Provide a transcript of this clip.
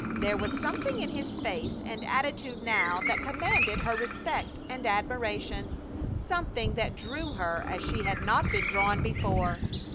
There was something in his face and attitude now that commanded her respect and admiration; something that drew her as she had not been drawn before.